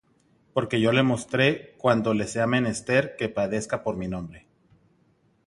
Porque yo le mostraré cuánto le sea menester que padezca por mi nombre.